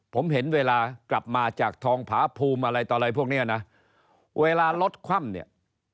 ผมเห็นเวลากลับมาจากทองผาภูมิอะไรต่ออะไรพวกเนี้ยนะเวลารถคว่ำเนี่ย